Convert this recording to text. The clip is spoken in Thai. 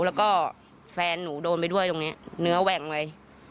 แล้วก็แฟนหนูโดนไปด้วยตรงนี้เนื้อแหว่งไว้